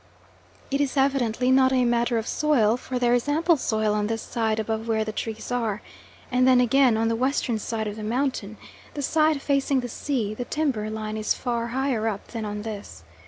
It is evidently not a matter of soil, for there is ample soil on this side above where the trees are, and then again on the western side of the mountain the side facing the sea the timber line is far higher up than on this.